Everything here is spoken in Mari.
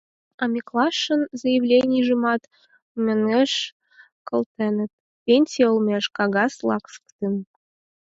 А Миклашын заявленийжымат мӧҥгеш колтеныт — пенсий олмеш кагаз ластыкым!